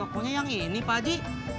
pokoknya yang ini pak aji